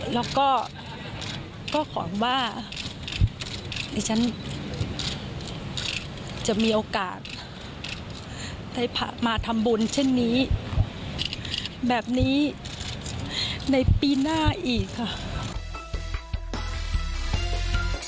แล้วก็ขอว่าดิฉันจะมีโอกาสได้มาทำบุญเช่นนี้แบบนี้ในปีหน้าอีกค่ะ